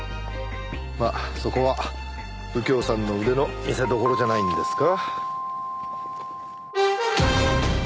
まあそこは右京さんの腕の見せどころじゃないんですか？